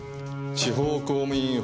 地方公務員法？